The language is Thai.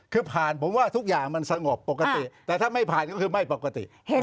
คือผ่านผมว่าทุกอย่างมันสงบปกติแต่ถ้าไม่ผ่านก็คือไม่ปกติ